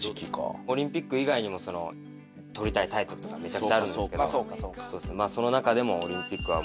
オリンピック以外にも取りたいタイトルとかめちゃくちゃあるんですけどその中でも。